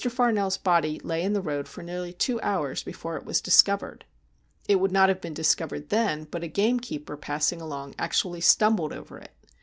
Farnell's body lay in the road for nearly two hours before it was discovered. It would not have been discovered then, but a gamekeeper passing along actually stumbled over it.